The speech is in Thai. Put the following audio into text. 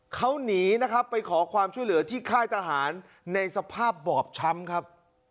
เขาหนีนะครับไปขอความช่วยเหลือที่ค่ายทหารในสภาพบอบช้ำครับ